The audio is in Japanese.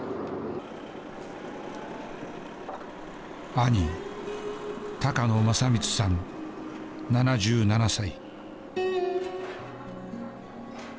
兄高野正光さん７７歳。